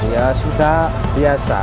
ya sudah biasa